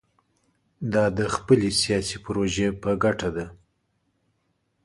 دا د خپلې سیاسي پروژې په ګټه ده.